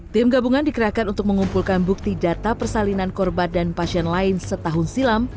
tim gabungan dikerahkan untuk mengumpulkan bukti data persalinan korban dan pasien lain setahun silam